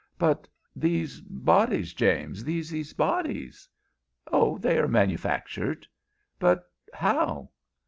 "But these bodies, James these bodies?" "Oh, they are manufactured " "But how?"